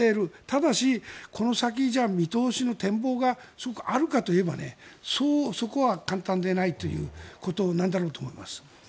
ただし、この先、じゃあ見通しの展望があるかといえばそこは簡単ではないということなんだろうと思います。